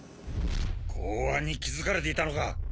公安に気付かれていたのか。